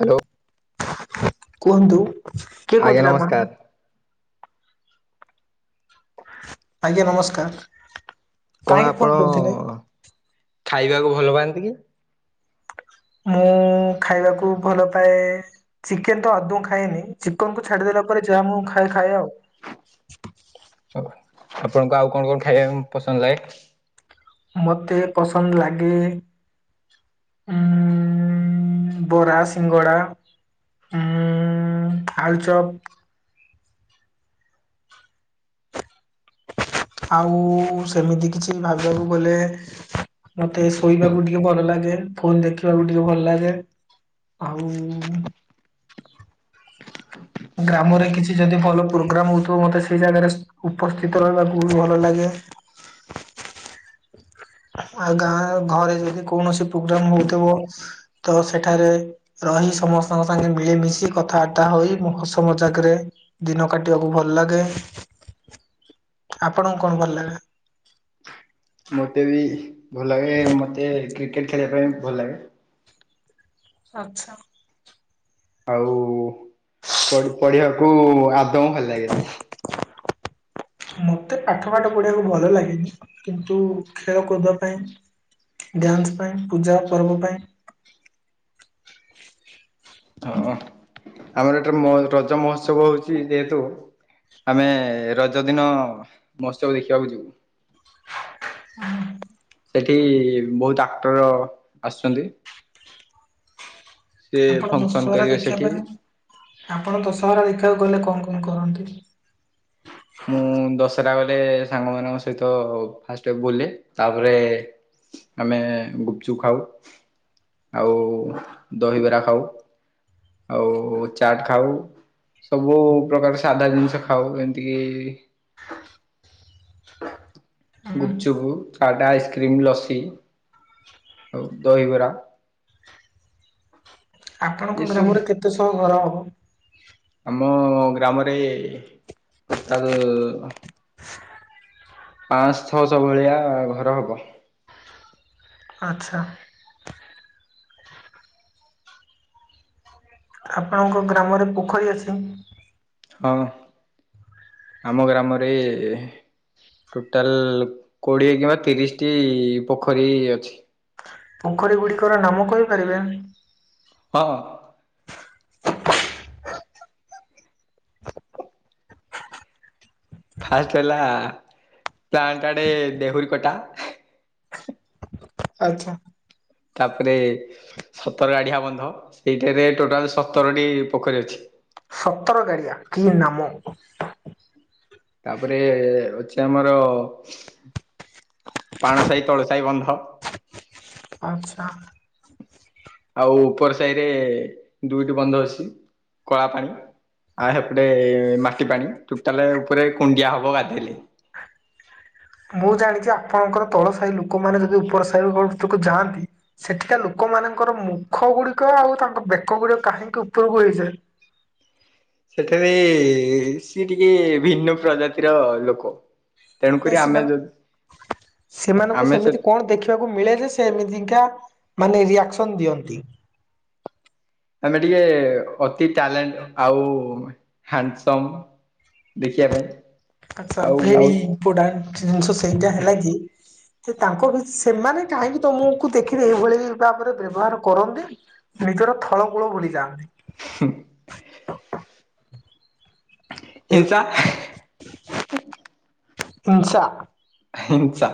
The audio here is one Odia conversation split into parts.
ହାଲୋ କୁହନ୍ତୁ? କିଏ ଆଜ୍ଞା କହୁଥିଲେ ଆପଣ? ନମସ୍କାର। ଆଜ୍ଞା ନମସ୍କାର। କଣ କାହିଁକି ଫୋନ ଆପଣ କରିଥିଲେ? ଖାଇବାକୁ ଭଲ ପାଆନ୍ତି କି? ମୁଁ ଖାଇବାକୁ ଭଲ ପାଏ ଚିକେନ ତ ଆଦୌ ଖାଏନି, ଚିକେନ କୁ ଛାଡିଦେଲା ପରେ ଯାହା ମୁଁ ଖାଏ, ଖାଏ ଆଉ। ଆପଣଙ୍କୁ ଆଉ କଣ କଣ ଖାଇବା ପାଇଁ ପସନ୍ଦ ଲାଗେ? ମତେ ପସନ୍ଦ ଲାଗେ ଉଁ ବରା, ସିଙ୍ଗଡ଼ା ଉଁ ଆଲୁଚପ। ଆଉ ସେମିତି କିଛି ଭାବିବାକୁ ଗଲେ ମତେ ଶୋଇବାକୁ ଟିକେ ଭଲ ଲାଗେ, ଫୋନ ଦେଖିବାକୁ ଟିକେ ଭଲ ଲାଗେ। ଆଉ ଗ୍ରାମରେ କିଛି ଯଦି ଭଲ ପ୍ରୋଗ୍ରାମ ହଉଥିବ ମତେ ସେଇ ଜାଗାରେ ଉପସ୍ଥିତ ରହିବାକୁ ବି ଭଲ ଲାଗେ। ଆ ଗାଁ ଘରେ ଯଦି କୌଣସି ପ୍ରୋଗ୍ରାମ ହଉଥିବ ତ ସେଠାରେ ରହି ସମସ୍ତଙ୍କ ସାଙ୍ଗେ ମିଳିମିଶି କଥାବାର୍ତ୍ତା ହୋଇ ମୁଁ ହସ ମଜାକରେ ଦିନ କାଟିବାକୁ ଭଲ ଲାଗେ। ଆପଣଙ୍କୁ କଣ ଭଲ ଲାଗେ? ମୋତେ ବି ଭଲ ଲାଗେ, ମୋତେ କ୍ରିକେଟ୍ ଖେଳିବା ପାଇଁ ଭଲ ଲାଗେ। ଆଛା। ଆଉ ପଢିବାକୁ ଆଦୌ ଭଲ ଲାଗେନି। ମୋତେ ପାଠ ପାଠ ପଢ଼ିବାକୁ ଭଲ ଲାଗେନି, କିନ୍ତୁ ଖେଳ କୁଦ ପାଇଁ ଡ୍ୟାନ୍ସ ପାଇଁ ପୂଜା ପର୍ବ ପାଇଁ ହଁ ଆମର ଏଥର ରଜ ମହୋତ୍ସବ ହଉଛି ଯେହେତୁ ଆମେ ରଜଦିନ ମହୋତ୍ସବ ଦେଖିବାକୁ ଯିବୁ। [unintelligible] ସେଠି ବହୁତ ଆକ୍ଟର ଆସୁଛନ୍ତି। ସେ ଆପଣ ଫଙ୍କସନ ଦଶହରା କରିବେ ଦେଖିବା ସେଠି ପାଇଁ, ଆପଣ ଦଶହରା ଦେଖିବାକୁ ଗଲେ କଣ କଣ କରନ୍ତି? ମୁଁ ଦଶଟା ଗଲେ ସାଙ୍ଗ ମାନଙ୍କ ସହିତ ଫାଷ୍ଟ ବୁଲେ ତାପରେ ଆମେ ଗୁପଚୁପ ଖାଉ ଆଉ ଦହିବରା ଖାଉ। ଆଉ ଚାଟ ଖାଉ ସବୁ ପ୍ରକାର ସାଧା ଜିନିଷ ଖାଉ ଏମିତି [inaudible] ଗୁପଚୁପ୍ ଚାଟ ଆଇସ୍କ୍ରିମ୍ ଲସି ଆଉ ଦହିବରା ଆପଣଙ୍କ ଏସବୁ ଗ୍ରାମରେ କେତେ ସବୁ ଘର ହବ? ଆମ ଗ୍ରାମରେ ଟୋଟାଲ ପାଞ୍ଚଶ ଛଅଶହ ଭଳିଆ ଘର ହବ। ଆଚ୍ଛା। ଆପଣଙ୍କ ଗ୍ରାମରେ ପୋଖରୀ ଅଛି? ହଁ ଆମ ଗ୍ରାମରେ ଟୋଟାଲ କୋଡ଼ିଏ କିମ୍ବା ତିରିଶଟି ପୋଖରୀ ଅଛି। ପୋଖରୀ ଗୁଡ଼ିକର ନାମ କହିପାରିବେ? ହଁ। ଫାଷ୍ଟ ହେଲା ପାଞ୍ଚଟାଡେ ଦେହୁରୀ କଟା। ଆଚ୍ଛା। ତାପରେ ସତର ଗାଡିଆ ବନ୍ଧ ସେଇଟାରେ ଟୋଟାଲ ସତରଟି ପୋଖରୀ ଅଛି। ସତର ଗାଡିଆ କି ନାମ? ତାପରେ ଅଛି ଆମର ପାଣ ସାାହି ତଳସାହି ବନ୍ଧ। ଆଚ୍ଛା। ଆଉ ଉପର ସାହି ରେ ଦୁଇଟି ବନ୍ଧ ଅଛି। କଳା ପାଣି ଆଉ ସେପଟେ ମାଟି ପାଣି। ଟୋଟାଲେ ଉପରେ କୁଣ୍ଡିଆ ହେବ ଗାଧେଇଲେ। ମୁଁ ଜାଣିଛି ଆପଣଙ୍କର ତଳ ସାହି ଲୋକମାନେ ଯଦି ଉପର ସାହିିତରକୁ ଯାଆନ୍ତି ସେଠିକା ଲୋକମାନଙ୍କର ମୁଖ ଗୁଡିକ ଆଉ ତାଙ୍କ ବେକ ଗୁଡିକ କାହିଁକି ଉପରକୁ ହେଇଯାଏ? ସେଥିରେ ସିଏ ଟିକେ ଭିନ୍ନ ପ୍ରଜାତିର ଲୋକ। ସେ ତେଣୁକରି ଆମେ ସେମାନ ଯଦି ଆମେ ସେ ଦେବା ମିଳେ ଯେ ସେ ଏମିତିକା ମାନେ ରିଆକ୍ସନ ଦିଅନ୍ତି। ଆମେ ଟିକେ ଅତି ଟ୍ୟାଲେଣ୍ଟ ଆଉ ହାଣ୍ଡସମ। ଦେଖିବା ପାଇଁ। ଆଛା ଆଉ ଭେରି ବହୁତ ଇମ୍ପୋର୍ଟାଣ୍ଟ ଜିନିଷ ସେଇଟା ହେଲା କି ସେ ତାଙ୍କ ସେମାନେ କାହିଁକି ତମକୁ ଦେଖିକି ଏଇଭଳି ଭାବରେ ବ୍ୟବହାର କରନ୍ତି। ନିଜର ଥଳ କୂଳ ଭୁଲି ଯାଆନ୍ତି। ହୁଁ। ଏ ହିଂସା ହିଂସା। ହିଂସା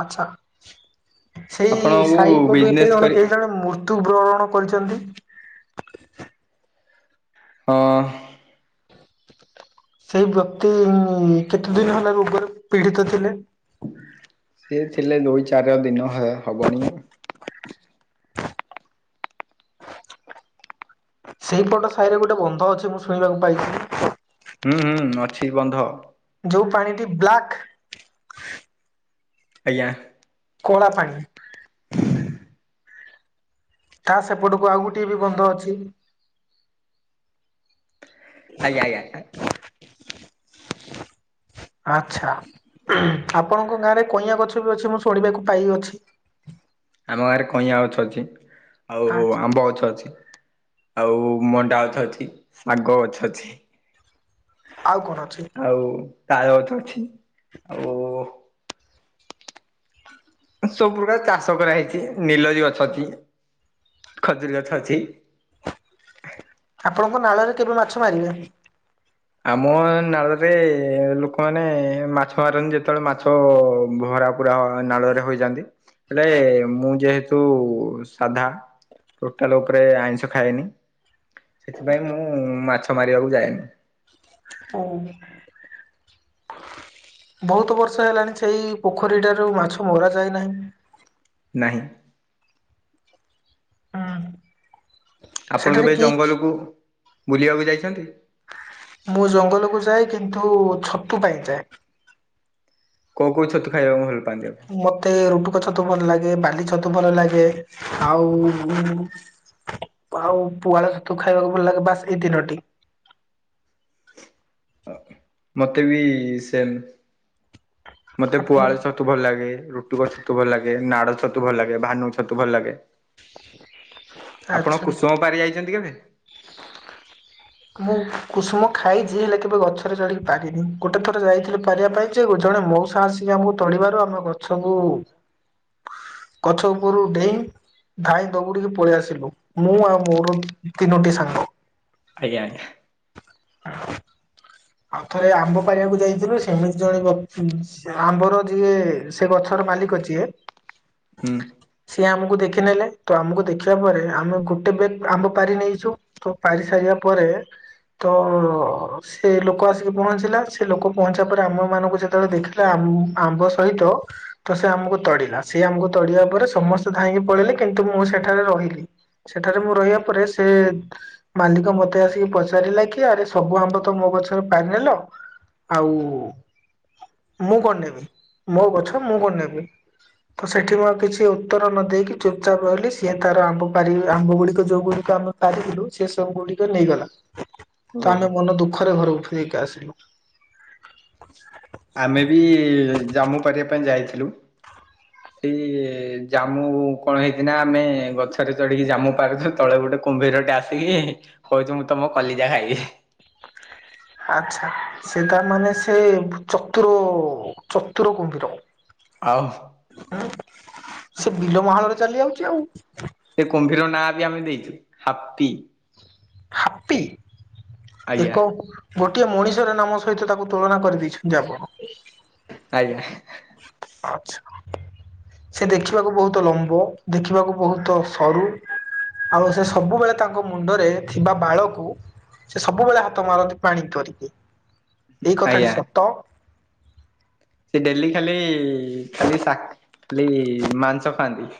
ଆଛା ସେଇ ଆପଣଙ୍କୁ ସାହିପଟୁ ଏ ବିଜନେସ୍ ଜଣେ କରି କେହି ଜଣେ ମୂ ତୁ ବ୍ରରଣ କରିଛନ୍ତି। ହଁ। ସେଇ ବ୍ୟକ୍ତି କେତେ ଦିନ ହେଲା ରୋଗରେ ପୀଡ଼ିତ ଥିଲେ। ସେ ଥିଲେ ଦୁଇ ଚାରି ଦିନ ହ ହବଣି। ସେଇପଟ ସାହିରେ ଗୋଟେ ବନ୍ଧ ଅଛି ମୁଁ ଶୁଣିବାକୁ ପାଇଛି। ହୁଁ ହୁଁ ଅଛି ବନ୍ଧ। ଯୋଉ ପାଣିଟି ବ୍ଲାକ୍। ଆଜ୍ଞା। କଳା ପାଣି। ତା ସେପଟକୁ ଆଉ ଗୋଟିଏ ବି ବନ୍ଧ ଅଛି। ଆଜ୍ଞା ଆଜ୍ଞା ଆଚଛା ଆପଣଙ୍କ ଗାଁରେ କଇଁଆ ଗଛ ବି ଅଛି ମୁଁ ଶୁଣିବାକୁ ପାଇଅଛି। ଆମ ଗାଁରେ କଇଁଆ ଗଛ ଅଛି। ଆଉ ଆଚ୍ଛା ଆମ୍ବ ଗଛ ଅଛି। ଆଉ ମଣ୍ଡା ଗଛ ଅଛି ଶାଗ ଗଛ ଅଛି। ଆଉ କଣ ଅଛି? ଆଉ ତାଳ ଗଛ ଅଛି ଆଉ। ସବୁ ପ୍ରକାର ଚାଷ କରାହେଇଛି ନିଲରି ଗଛ ଅଛି ଖଜୁରୀ ଗଛ ଅଛି। ଆପଣଙ୍କ ନାଳରେ କେବେ ମାଛ ମାରିବେ। ଆମ ନାଳରେ ଲୋକମାନେ ମାଛ ମାରନ୍ତି ଯେତେବେଳେ ମାଛ ଭରା କକୁା ନାଳରେ ହୋଇଯାନ୍ତି ହେଲେ ମୁଁ ଯେହେତୁ ସାଧା ଟୋଟାଲ ଉପରେ ଆଇଁଷ ଖାଏନି ସେଥିପାଇଁ ମୁଁ ମାଛ ମାରିବାକୁ ଯାଏନି। ହଉ। ବହୁତ ବର୍ଷ ହେଲାଣି ସେଇ ପୋଖରୀଟାରୁ ମାଛ ମରା ଯାଇନାହିଁ। ନାହିଁ। ହଁ। ଆପଣ କେବେ ଜଙ୍ଗଲକୁ ବୁଲିବାକୁ ଯାଇଛନ୍ତି? ମୁଁ ଜଙ୍ଗଲକୁ ଯାଏ କିନ୍ତୁ ଛତୁ ପାଇଁ ଯାଏ। କୋଉ କୋଉ ଛତୁ ଖାଇବାକୁ ଭଲ ପାଆନ୍ତି। ମତେ ରୁଟୁକ ଛତୁ ଭଲ ଲାଗେ ବାଲିଛତୁ ଭଲ ଲାଗେ ଆଉ। ଆଉ ପୁଆଳ ଛତୁ ଖାଇବାକୁ ଭଲ ଲାଗେ ବାସ୍ ଏଇ ତିନୋଟି। ମତେ ବି ସେ ମତେ ଆପଣ ପୁଆଳ ଛତ ଛତୁ ଭଲ ଲାଗେ ରୁଟୁଗ ଛତୁ ଭଲ ଲାଗେ ନାଡଳ ଛତୁ ଭଲ ଲାଗେ ଭାନ ଛତୁ ଭଲ ଲାଗେ। ଆପଣ ଆଚ୍ଛା କୁସୁମ ପାରି ଯାଇଛନ୍ତି କେବେ? [inaudible] ମୁଁ କୁସୁମ ଖାଇଛିି ହେଲେ କେବେ ଗଛରେ ଚଢିକି ପାରିନି ଗୋଟେ ଥର ଯାଇଥିଲି ପାରିବା ପାଇଁ। ଜଣେ ମଉସା ଆସିକି ଆମକୁ ତଳିବାରୁ ଆମ ଗଛକୁ ଗଛ ଉପରୁ ଡେଇଁ ଧାଇ ଦଉଡିକି ପଳେଇ ଆସିଲୁ ମୁଁ ଆଉ ମୋର ତିନୋଟି ସାଙ୍ଗ। ଆଜ୍ଞା ଆଜ୍ଞା। [inaudible] ଆଉ ଥରେ ଆମ୍ବ ପାରିବାକୁ ଯାଇଥିଲୁ ସେମିତି ଜଣେ ଆମ୍ବର ଯିଏ। ସେ ଗଛର ମାଲିକ ଯି ଏ ହୁଁ। ସିଏ ଆମକୁ ଦେଖିନେଲେ ତ ଆମକୁ ଦେଖିବା ପରେ ଆମେ ଗୋଟେ ବେଗ ଆମ୍ବ ପାରି ନେଇଛୁ। ତ ପାରି ସାରିବା ପରେ ତ ସେ ଲୋକ ଆସିକି ପହଞ୍ଚିଲା ସେ ଲୋକ ପହଞ୍ଚିବା ପରେ ଆମମାନଙ୍କୁ ଯେତେବେଳେ ଦେଖିଲା ଆମ୍ବ ସହିତ ତ ସେ ଆମକୁ ତଡିଲା ସେ ଆମକୁ ତଡିବା ପରେ ସମସ୍ତେ ଧାଇଁକି ପଳେଇଲେେ କିନ୍ତୁ ମୁଁ ସେଠାରେ ରହିଲି। ସେଠାରେ ମୁଁ ରହିବା ପରେ ସେ ମାଲିକ ମତେ ଆସିକି ପଚାରିଲା କି ଆରେ ସବୁ ଆମ୍ବ ତ ମୋ ଗଛର ପାଣି ନେଲ ଆଉ ମୁଁ କଣ ନେବି ମୋ ଗଛ ମୁଁ କଣ ନେବି। ତ ସେଠି ମୁଁ ଆଉ କିଛି ଉତ୍ତର ନ ଦେଇେଇକି ଚୁପଚାପ ରହିଲି ସିଏ ତାର ଆମ୍ବପାରି ଆମ୍ବ ଗୁଡିକ ଯୋଉ ଗୁଡିକ ଆମ ପାରିଥିଲୁ ସେ ସବୁ ଗୁଡିକ ନେଇଗଲା ତ ଓହୋ ଆମେ ମନ ଦୁଃଖରେ ଘରେକୁ ଫେରିକି ଆସିଲୁ। ଆମେ ବି ଜାମ୍ମୁ ପାରିବା ପାଇଁ ଯାଇଥିଲୁ। [inaudible] ସେଇ ଜାମୁ କଣ ହେଇଛି ନା ଆମେ ଗଛରେ ଚଢ଼ିକି ଜାମୁ ପାରୁଛୁ। ତଳେ ଗୋଟେ କୁମ୍ଭୀରଟେ ଆସିକି କହୁଛି ମୁଁ ତମ କଲିଜା ଖାଇବି। ଆଚ୍ଛା। ସେ ତାମାନୋନେ ସେ ଚତୁର ଚତୁର କୁମ୍ଭୀର। ଆଉ। ସେ ବିଲ ମାଳରେ ଚାଲି ଯାଉଛି ଆଉ। ସେ କୁମ୍ଭୀର ନାଁ ବି ଆମେ ଦେଇଛୁ ହାପି। ହାପି ଆଜ୍ଞା ଏକ ଗୋଟିଏ ମଣିଷର ନାମ ସହିତ ତାକୁ ତୁଳନା କରିଦେଇଛନ୍ତି ଆପଣ। ଆଜ୍ଞା। ଆଚ୍ଛା। ସେ ଦେଖିବାକୁ ବହୁତ ଲମ୍ବ ଦେଖିବାକୁ ବହୁତ ସରୁ। ଆଉ ଏବେ ସବୁବେଳେ ତାଙ୍କ ମୁଣ୍ଡରେ ଥିବା ବାଳକୁ। ସେ ସବୁବେଳେ ହାତ ମାରନ୍ତି ପାଣି ଧରିକି ଏଇ କଥାଟି ଆଜ୍ଞା। ସତ ସେ ଡେଲି ଖାଲି ଖାଲି ଖାଲି ମାଂସ ଖାଆନ୍ତି।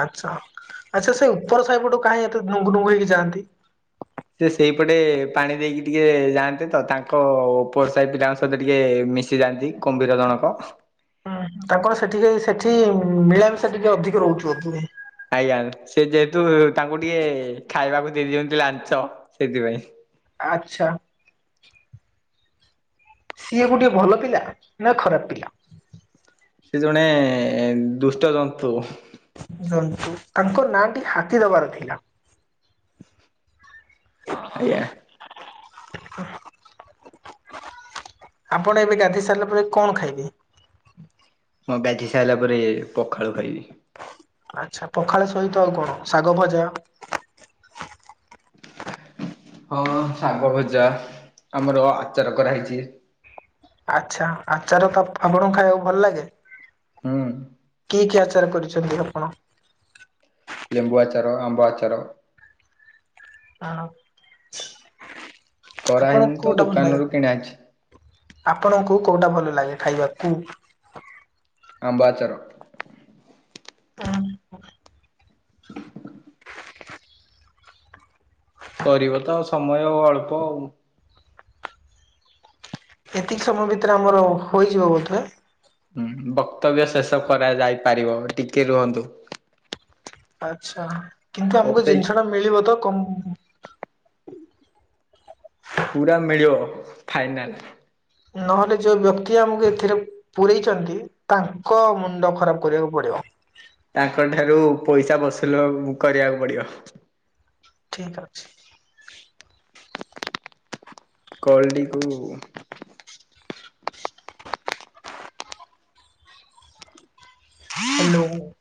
ଆଚ୍ଛା ଆଚ୍ଛା ସେ ଉପର ସାହିପଟୁ କାହିଁ ଏତେ ନୁଙ୍ଗୁନୁଙ୍ଗ ହେଇକି ଯାଆନ୍ତି। ସେ ସେଇପଟେ ପାଣି ଦେଇକି ଟିକେ ଯାଆନ୍ତି ତ ତାଙ୍କ ଉପରସାହି ପିଲାଙ୍କ ସହିତ ଟିକେ ମିଶ କିି ଯାଆନ୍ତି କୁମ୍ଭୀର ଜଣକ। ହୁଁ ତାଙ୍କର ସେଠି କି ସେଠି ମିଳାମିଶା ଟିକେ ଅଧିକ ରହୁଥିବ। ଆଜ୍ଞା ସେ ଯେହେତୁ ତାଙ୍କୁ ଟିକେ ଖାଇବାକୁ ଦେଇଦିଅନ୍ତି ଲାଞ୍ଚ ସେଥିପାଇଁ। ଆଚ୍ଛା। ସିଏ ଗୋଟେ ଭଲ ପିଲା ନା ଖରାପ ପିଲା? ସେ ଜଣେ ଦୁଷ୍ଟ ଜନ୍ତୁ। ଜନ୍ତୁ ତାଙ୍କ ନାଁଟି ହାତୀ ଦବାର ଥିଲା। [unintelligible] ଆଜ୍ଞା। ଆପଣ ଏବେ ଗାଧେଇ ସାରିଲା ପରେ କଣ ଖାଇବେ? ମୁଁ ଗାଧେଇ ସାରିଲା ପରେ ପଖାଳ ଖାଇବି। ଆଚ୍ଛା ପଖାଳ ସହିତ ଆଉ କଣ ଶାଗ ଭଜା ହଁ ଶାଗ ଭଜା ଆମର ଆଚାର କରାହେଇଛି। ଆଚ୍ଛା ଆଚାର ତ ଆପଣଙ୍କୁ ଖାଇବାକୁ ଭଲ ଲାଗେ। ହୁଁ। କି କି ଆଚାର କରିଛନ୍ତି ଆପଣ? ଲେମ୍ବୁ ଆଚାର ଆମ୍ବ ଆଚାର। ହଁ କରାହେଇନି ଆପଣଙ୍କୁ ତ କୋଉଟା ଭଲଲାଗେ? ଦୋକାନରୁ କିଣା ହେଇଛି। ଆପଣଙ୍କୁ କୋଉଟା ଭଲ ଲାଗେ ଖାଇବାକୁ? ଆମ୍ବ ଆଚାର। ଉ [inaudible] ସରିବ ତ ଆଉ ସମୟ ଅଳ୍ପ ଆଉ। ଏତିକି ସମୟ ଭିତରେ ଆମର ହୋଇଯିବ ବୋଧେ। ହୁଁ ବକ୍ତବ୍ୟ ଶେଷ କରାଯାଇ ପାରିବ ଟିକେ ରୁହନ୍ତୁ। ଆଛା କିନ୍ତୁ ଆମକୁ ଅପେ ଜିନିଷ ଟା ମିଳିବ ତ? କ ପୁରା ମିଳିବ ଫାଇନାଲ। ନହେଲେ ଯୋଉ ବ୍ୟକ୍ତି ଆମକୁ ଏଥିରେ ପୁରେଇଛନ୍ତି ତାଙ୍କ ମୁଣ୍ଡ ଖରାପ କରିବାକୁ ପଡିବ। ତାଙ୍କ ଠାରୁ ପଇସା ବସୁଲ କରିବାକୁ ପଡିବ। ଠିକ ଅଛି। କଲ ଟିକୁ ହ୍ୟାଲୋ।